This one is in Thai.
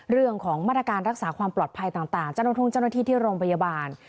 เรื่องของมาตรการรักษาความปลอดภัยต่างเจ้าหน้าที่ที่โรงพยาบาล